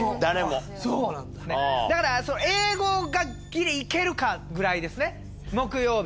だから英語がギリいけるかぐらいですね木曜日。